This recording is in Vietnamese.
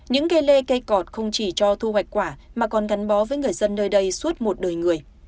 những cây lê cây cọt không chỉ cho thu hoạch quả mà còn gắn bó với người dân nơi đây suốt một đời người